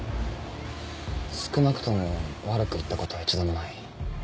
少なくとも悪く言ったことは一度もない。